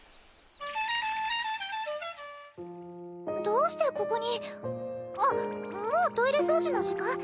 どうしてここにあっもうトイレ掃除の時間？